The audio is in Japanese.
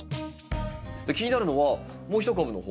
気になるのはもう一株の方。